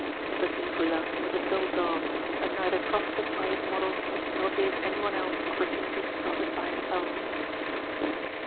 But Nicolas was a dull dog, and neither profited by his model nor gave any one else opportunity to profit by himself.